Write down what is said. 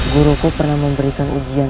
guruku pernah memberikan ujian